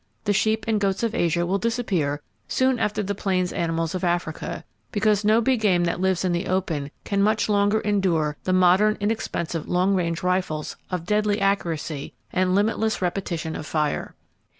The sheep and goats of Asia will disappear soon after the plains animals of Africa, because no big game that lives in the open can much longer endure the modern, inexpensive long range rifles of deadly accuracy and limitless repetition of fire.